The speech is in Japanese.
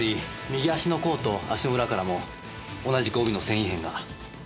右足の甲と足の裏からも同じく帯の繊維片が。